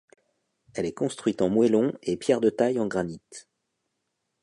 Elle est construite en moellons et pierres de taille en granite.